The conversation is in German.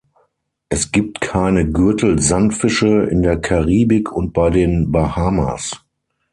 Es gibt keine Gürtel-Sandfische in der Karibik und bei den Bahamas.